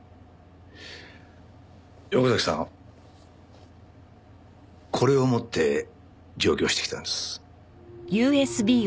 横崎さんこれを持って上京してきたんです。